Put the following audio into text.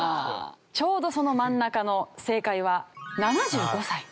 ちょうどその真ん中の正解は７５歳。